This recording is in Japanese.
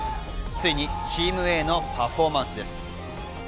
ついにＴｅａｍＡのパフォーマンスです。